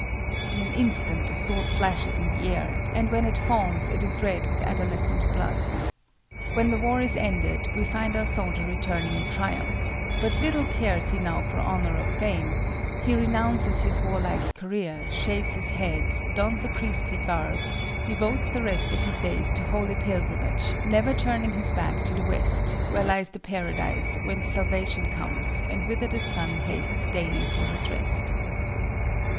In an instant the sword flashes in the air, and when it falls it is red with adolescent blood. When the war is ended, we find our soldier returning in triumph, but little cares he now for honor or fame; he renounces his warlike career, shaves his head, dons a priestly garb, devotes the rest of his days to holy pilgrimage, never turning his back to the West, where lies the Paradise whence salvation comes and whither the sun hastes daily for his rest.